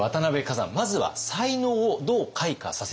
まずは才能をどう開花させたのか。